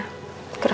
aku mau ke rumah